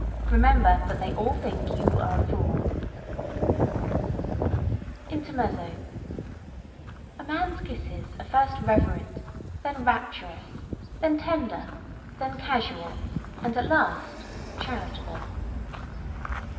Remember that they all think you are a fool. INTERMEZZO A MAN'S kisses are first reverent, then rapturous, then tender, then casual, and last charitable.